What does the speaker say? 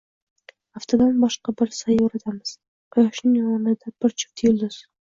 — Aftidan, boshqa bir sayyoradamiz, Quyoshning o‘rnida — bir juft yulduz.